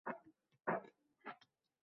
O`rganyapman Sevinchixon Pulchieva